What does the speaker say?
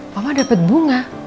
mama dapet bunga